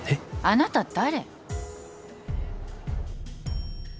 あなた誰？